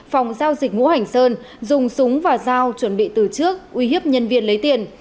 phòng giao dịch ngũ hành sơn dùng súng và dao chuẩn bị từ trước uy hiếp nhân viên lấy tiền